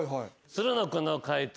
つるの君の解答